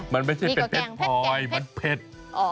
มันไม่ใช่เป็นแกงเพชรมันเป็นแกงเพชร